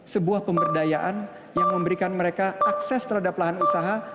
sebuah pemberdayaan yang memberikan mereka akses terhadap lahan usaha